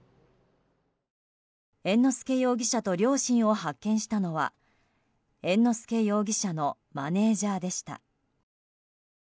猿之助容疑者と両親を発見したのは猿之助容疑者のマネジャーでした。